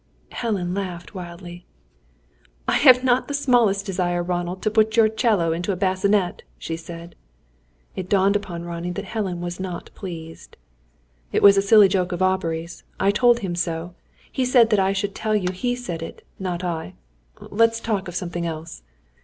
Helen laughed, wildly. "I have not the smallest desire, Ronald, to put your 'cello into a bassinet!" she said. It dawned upon Ronnie that Helen was not pleased. "It was a silly joke of Aubrey's. I told him so. I said I should tell you he said it, not I. Let's talk of something else."